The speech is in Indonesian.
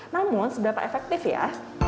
namun seberapa efektif ya